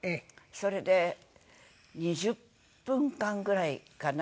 それで２０分間ぐらいかな？